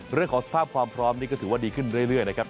เรื่องของสภาพความพร้อมนี่ก็ถือว่าดีขึ้นเรื่อยนะครับ